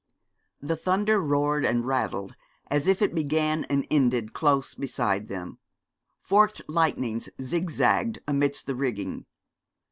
The thunder roared and rattled, as if it began and ended close beside them. Forked lightnings zigzagged amidst the rigging.